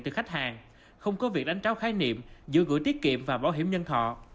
từ khách hàng không có việc đánh tráo khái niệm giữa gửi tiết kiệm và bảo hiểm nhân thọ